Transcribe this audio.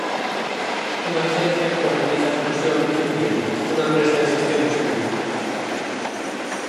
Unha axencia que organiza excursións dun día, unha empresa de xestión de servizos.